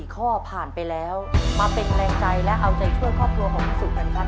๔ข้อผ่านไปแล้วมาเป็นแรงใจและเอาใจช่วยครอบครัวของพี่สุกันครับ